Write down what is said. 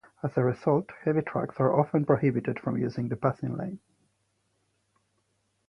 As a result, heavy trucks are often prohibited from using the passing lane.